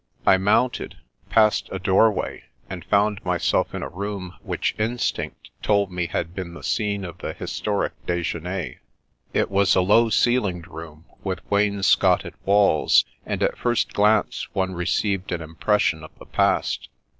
I mounted, passed a doorway, and found myself in a room which instinct told me had been the scene of the historic dejeuner. It was a low ceilinged room with wainscoted walls, and at first glance one received an impression of the past.